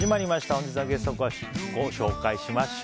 本日のゲストをご紹介します。